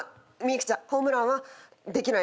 幸ちゃんホームランはできない。